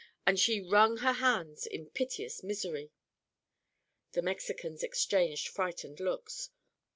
And she wrung her hands in piteous misery. The Mexicans exchanged frightened looks.